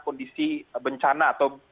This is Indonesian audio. kondisi bencana atau